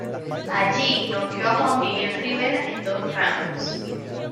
Allí, noqueó a "Juan Miguel Rivera" en dos rounds.